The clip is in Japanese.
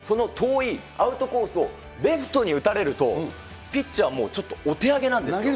でも、その遠いアウトコースをレフトに打たれると、ピッチャーもちょっとお手上げなんですよ。